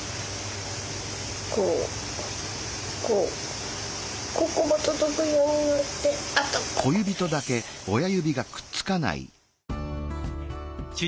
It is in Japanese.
こうこうここも届くようになってあとここだけです。